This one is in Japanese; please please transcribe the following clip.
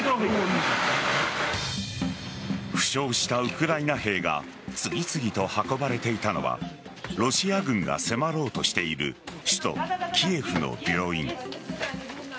負傷したウクライナ兵が次々と運ばれていたのはロシア軍が迫ろうとしている首都・キエフの病院。